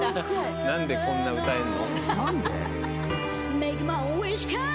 なんでこんな歌えるの？